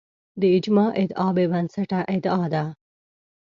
د اجماع ادعا بې بنسټه ادعا ده